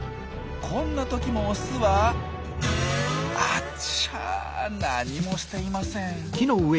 こんな時もオスはあっちゃ何もしていません。